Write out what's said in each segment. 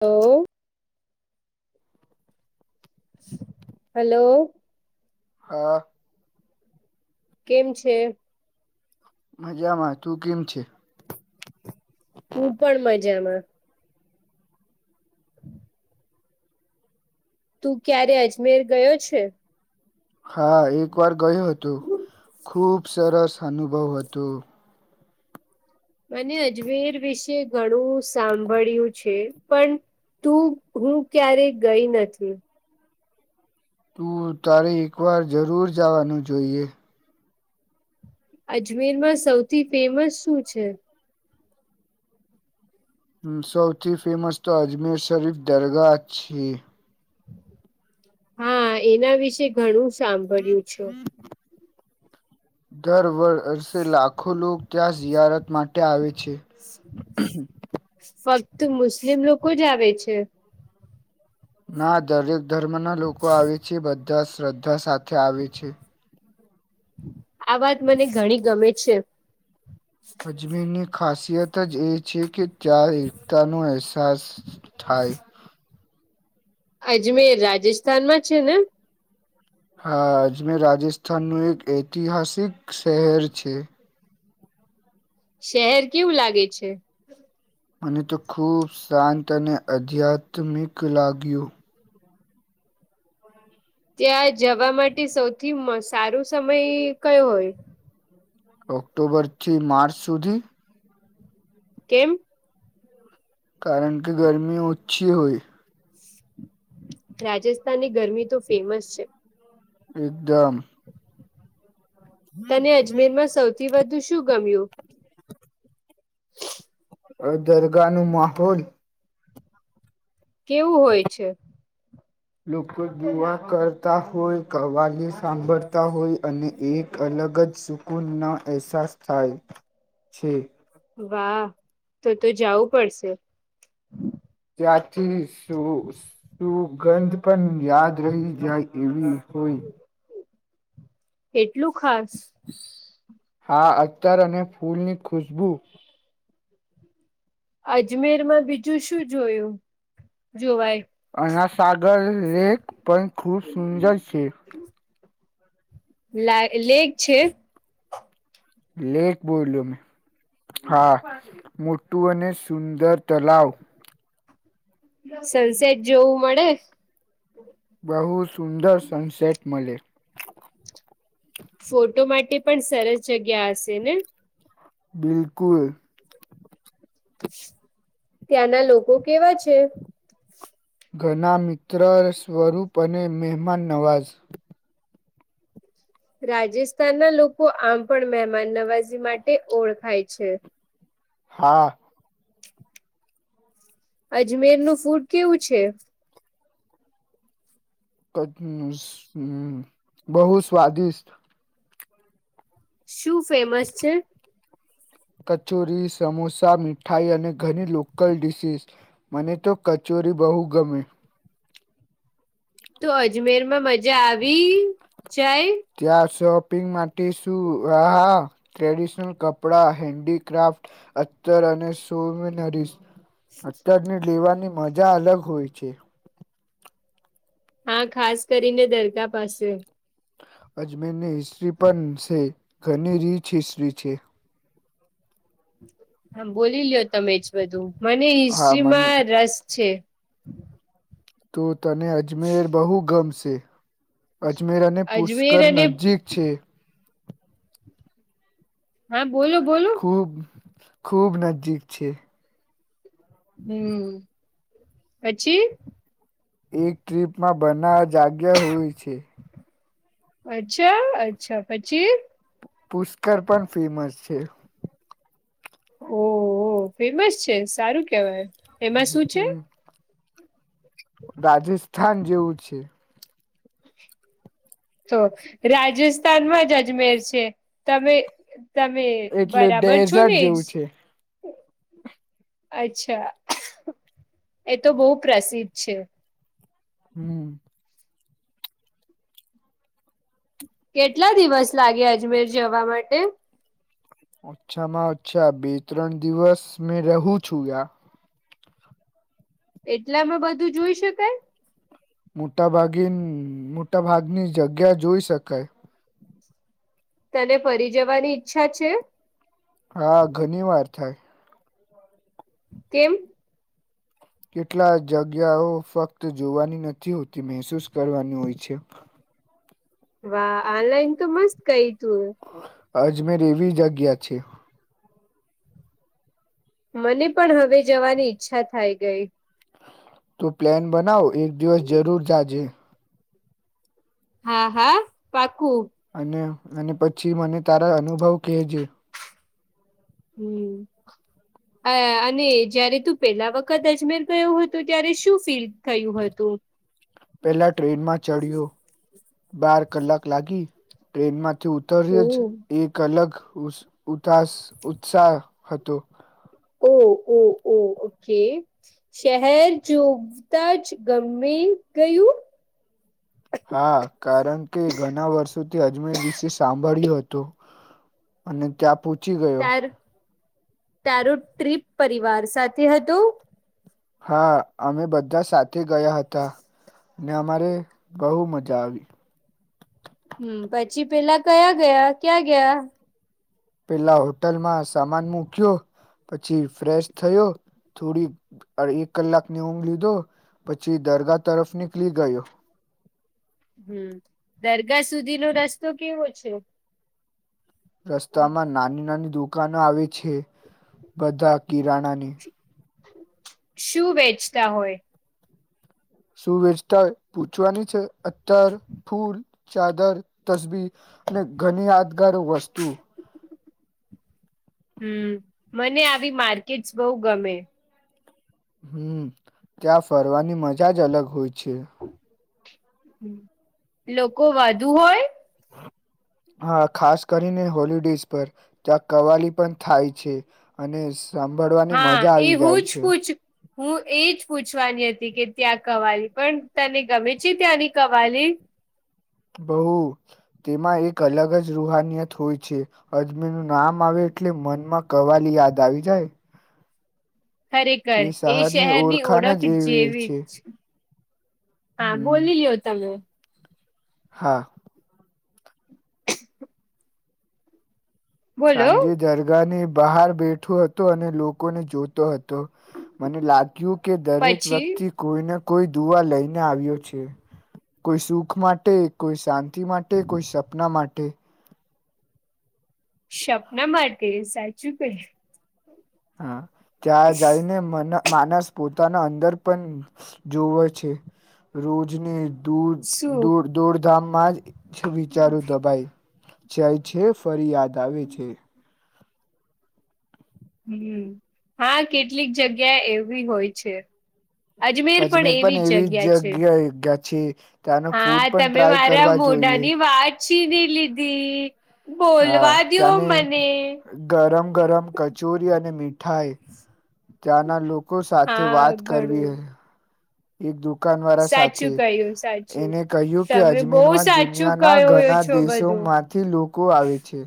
Hello hello હા કેમ છે મજામાં તું કેમ છે. હું પણ મજામાં. હામ. તું ક્યારે અજમેર ગયો છે. હા એક વાર ગયું હોતું ખુબ સરસ અનુભવ હતું. અને અજમેર વિશે ઘણું સાંભળ્યું છે પણ તું હું ક્યારે ગઈ નથી. તું તારે એકવાર જરૂર જવાનું જોઈએ. અજમેર માં સૌથી ફેમસ શું છે. સૌથી ફેમસ તો અજમેર શરીફ દરગાહ છે. હા એના વિશેે ઘણું શામ દર વર્ષ સે લાખો લોકો ત્યાં જિયારત માટે આવે છે. ફક્ત મુસ્લિમ લોકો જ આવે છે. ના દરેક ધર્મ ના લોકો આવે છે બધા શ્રદ્ધા સાથે આવે છે. આ વાત મને ઘણી ગમે છે. અજમેર ની ખાસિયત જ એ છે કે ત્યાં એકતા નું અહેસાસ થય. અજમેર રાજીસ્થાનમાંછે ને. હા અજમેર રાજીસ્થાન નું એક ઐતિહાસિક શહેર છે. શહેર કેવું લાગે છે. મને તો ખૂબ શાંત અને આધ્યાત્મિક લાગ્યું. ત્યાં જવા માટે સૌથી સારો સમય કયો હોય. ઓક્ટોબરથી માર્ચ સુધી. કેમ. કારણ કે ગરમી ઓછી હોય. રાજસ્થાનની ગરમી તો ફેમસ છે. એકદમ તને અજમેર માં સૌથી વધુ શું ગમ્યું. અ દરગાહનો માહોલ કેવું હોય છે. લોકો જોવા કરતા હોય કવાલી સાંભળતા હોય અને એક અલગ જ સુકૂનના અહેસાસ થાય છે. વાહ તો તો જવું પડશે. ત્યાંથી શું શું સુગંધ પણ યાદ રહી જાય એવી હોય. એટલું ખાસ. હા અત્તર અને ફૂલ ની ખુશબુ અજમેર માં બીજું શું જોયું જોવાય. આના સાગર લેક પણ ખુબ સુંદર છે. લા લેક છે. લેક બોલ્યો મેં. હા, મોટું અને સુંદર તલાવ. સનસેટ જોવું મળેશ. બહુ સુંદર સનસેટ મળે. ફોટો માટે પણ સરસ જગ્યા હશે ને. બિલકુલ. ત્યાંના લોકો કેવા છે. ઘના મિત્ર સ્વરૂપ અને મહેમાન નવાઝ રાજસ્થાન ના લોકો આમ પણ મહેમાન નવાજી માટે ઓળખાય છે. હા. અજમેર નું ફૂડ કેવું છે? ક અમ્મ અમ્મ બહુ સ્વાદિષ્ટ. શું ફેમસ છે? કચોરી, સમોસા, મીઠાઈ અને ઘણી લોકલ ડીસીસ. મને તો કચોરી બહુ ગમે. તો અજમેર માં મજા આવી જાય. ત્યાં શોપિંગ માટે શું હ હા. ટ્રેડિશનલ કપડા હેન્ડીક્રાફ્ટ અતર અને સોમનરીસ. અત્યારની લેવાની મજા અલગ હોય છે. હા, ખાસ કરીને દરગાહ પાસે. અજમેર ની હિસ્ટ્રી પણ છે, ઘણી રીચ હિસ્ટ્રી છે. હા, બોલી લ્યો તમે જ બધું મને હા મને હિસ્ટ્રીમાં રસ છે. તો તને અજમેર બહુ ગમશે. અજમેર અને અજમેર પુષ્કર અને નજીક છે. હા, બોલો બોલો. ખૂબ ખૂબ નજીક છે. હમ્મ, પછી. એક ટ્રીપમાં બના જાગ્યા હોય છે. અચ્છા અચ્છા પછી. પુષ્કર પણ ફેમસ છે. ઓહ હો ફેમસ છે સારું કેવાય. એમાં હમ્મ, શું છે હમ્મ. રાજસ્થાન જેવું છે. તો રાજસ્થાનમાં જ અજમેર છે. તમે તમે એટલે બરાબર છો ડેઝર્ટ ને જ? જેવું છે અચ્છા એ તો બહુ પ્રસિદ્ધ છે. હમ્મ. કેટલા દિવસ લાગે અજમેર જવા માટે? ઓછામાં ઓછા બે ત્રણ દિવસ મેં રહું છું યા. એટલા માં બધું જૂઈ શકાય. મોટા ભાગે મોટા ભાગની જગ્યા જોઈ શકાય. તને ફરી જવાની ઈચ્છા છે? હા, ઘણી વાર થાય. કેમ? કેટલા જગ્યાઓ ફક્ત જોવાની નથી હોતી, મહેસૂસ કરવાની હોય છે. વા ઓનલાઈન તો મસ્ત કઈ તું. અજમેર એવી જગ્યા છે. મને પણ હવે જવાની ઈચ્છા થાય ગઈ. તો પ્લેન બનાવો એક દિવસ જરૂર જાજે. હા હા પાકું. અને અને પછી મને તારા અનુભવ કેહેજે. હમ અ અને જયારે તું પેલા વખત અજમેર ગયો હતોું ત્યારે શું ફીલ થયું હતું પહેલા ટ્રેનમાં ચડ્યો બાર કલાક લાગી ટ્રેનમાં તે ઓ ઉતર્યો છે એક અલગ ઉ ઉતાસ ઉત્સાહ હતો. ઓહ ઓ ઓ ઓકે. શહેર જોવતા જ ગમી ગયું? હા, કારણ કે ઘણા વર્ષોથી અજમેર વિશે સાંભળ્યો હતો. અને ત્યાં પૂછ તાર તારો ટ્રીપ પરિવાર સાથે હતોું હા અમે બધા સાથે ગયા હતા ને અમારે બહુ મજા આવી હમ પછી પેલા કયા ગયા ક્યાં ગયા પેલા હોટલમાં સામાન મૂક્યો પછી ફ્રેશ થયો થોડી અ એક કલાકની ઊંઘ લીધો પછી દરગાહ તરફ નીકળી ગયો હમ દરગાહ સુધીનોો રસ્તો કેવો છે રસ્તામાં નાની નાની દુકાનો આવે છે બધા કિરાણાની શું વેચતા હોય સુું વેચતા હોય પૂછવાની છે અતર ફૂલ ચાદર તસબી અને ઘણી યાદગાર વસ્તુ હમ મને આવી માર્કેટસ બહુ ગમે હમ ત્યાં ફરવાની મજા જ અલગ હોય છે લોકો વધુ હોય હા ખાસ કરીને હોલિડેઝ પર ત્યાં કવાલી પણ થાય છે અને સાંભડવાની હા મજા એ આવી હું જાય જ છે પૂછ હું એજ પૂછવાની હતી કે ત્યાં કવાલી પણ તને ગમે છે ત્યાંની કવાલી બહુ તેમાં એક અલગ જ રૂહાનિયત હોય છે અજમીરનું નામ આવે એટલે મનમાં કવાલી યાદ આવી જાય ખરેખર એ શહેરની ઓળખાણ ઓળખ જ એવી જેવી છે જ હા હમ બોલી લ્યો તમે હા બોલો સાંજે દરગાહની બહાર બેઠો હતો અને લોકોને જોતો હતો તો મને લાગ્યું કે દરેક પછી વ્યક્તિ કોઈને કોઈ દુવા લઈને આવ્યો છે કોઈ સુખ માટે કોઈ શાંતિ માટે કોઈ સપના માટે સપના માટે સાચું ક હા ત્યાં જાઈને મન માનસ પોતાના અંદર પણ જોવે છે રોજને દોડ શું દોડ દોડધામમાં જ વિચારું દબાઈ જાય છે ફરી યાદ આવે છે હમ હા કેટલીક જગ્યા એવી હોય છે અજમેર પણ એવી જ જગ્યા છે જગ્યાએ ગયા છે. ત્યાંનું હા ફૂડ પણ તમે ટ્રાય મારા કરવા જોઈએ. મોઢાની વાત ચીની લીધી હા બોલવા દ્યો ત્યાંની મને ગરમ ગરમ કચોરી અને મીઠાઈ બ [inaudible] ત્યાંના લોકો સાથે વાત કરવી ઘણું. હ એક દુકાનવાળા સાચું સાથે કહ્યું સાચું એને કહ્યું કે તમે બહુ અજમેરમાં સાચું દુનિયા ના કહ્યો ઘણા છો બધું. દેશોમાં થી લોકો આવે છે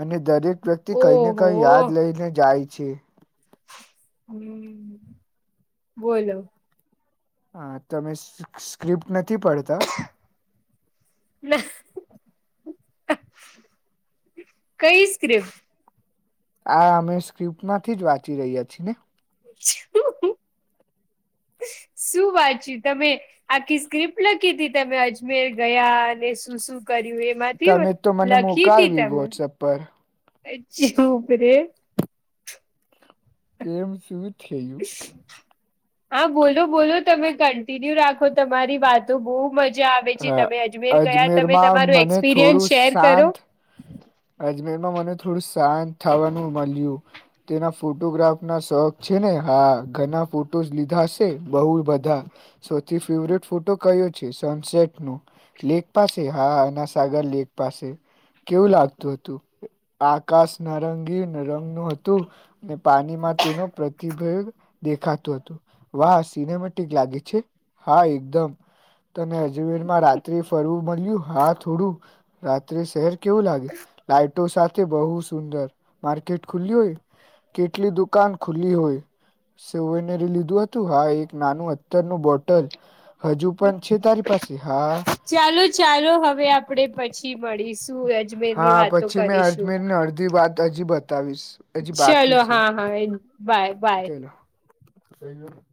અને દરેક વ્યક્તિ કયને કય ઓહો યાદ લઈને જાય છે હમ બોલો હા તમે સ્ક્રિપ્ટ નથી પડતા. ના કઈ સ્ક્રિપ્ટ આ અમે સ્ક્રિપ્ટમાંથી જ વાંચી રહ્યા છીએ ને શું વાચ્યું [unintelligible] તમે આખી સ્ક્રિપ્ટ લખી હતી તમે અજમેર ગયા અને શું શું કર્યું એ માંથી તમે તો મને લખી હ [unintelligible] તીી મોકલવી તમે વોટ્સઅપ પર જેરેે કેેમ સુવી થેયું હા બોલો બોલો તમે કન્ટિન્યુ રાખો તમારી વાતો બહ મજા જા આવે જી હા, તમે અજમેર ગયા તમે અજમેરમાં તમારું મને એક્સપિરિયન્સ થોડું શેર કરો શાંત અજમેરમાં મને થોડું શાંત થવાનું મળ્યું તેના ફોટોગ્રાફના શોખ છે ને હા ઘણા ફોટોઝ લીધા છે બહુ બધા સૌથી ફેવરેટ ફોટો કયો છે સનસેટનો લેક પાસે હા અના સાગર લેક પાસે કેવું લાગતું હતું આકાશ નારંગીન રંગનું હતું. ને પાણીમાં તેનો પ્રતિભય દેખાતું હતું. વાહ સિનેમેટિક લાગે છે હા એકદમ તને અજમેરમાં રાત્ર્રી ફરવું મળ્યું હા થોડું રાત્રે શહેર કેવું લાગે લાઈટો સાથે બહુ સુંદર માર્કેટ ખુલ્લી હોય કેટલી દુકાન ખુલ્લી હોય સેવયનેરી લીધું હતું હા એક નાનું અતરનું બોટલ હજુ પણ છે? તારી પાસે હા ચાલો ચાલો હવે આપડે પછી મળીશું અજમેરની હા વાતો પછી મેં કરીશું અજમેરની અડધી વાત અજીબત બતાવીશ હજી ચલો બાકી છે હા હા બાય બાય. સેયુક.